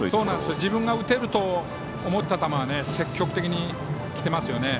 自分が打てると思った球は積極的にきてますよね。